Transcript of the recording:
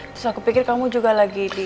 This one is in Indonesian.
terus aku pikir kamu juga lagi di